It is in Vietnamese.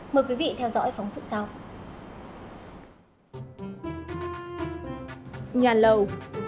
mời quý vị theo dõi phóng sự sau